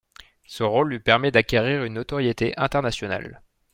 Ce rôle lui permet d'acquérir une notoriété internationale.